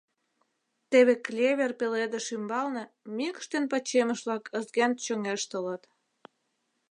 Теве клевер пеледыш ӱмбалне мӱкш ден пачемыш-влак ызген чоҥештылыт.